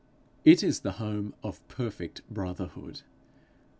It is the home of perfect brotherhood.